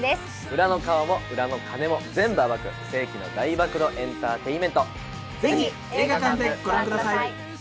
「裏の顔も裏の金も全部暴く世紀の大暴露エンターテインメント」「ぜひ映画館でご覧ください」